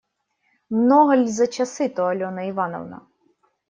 Много ль за часы-то, Алена Ивановна?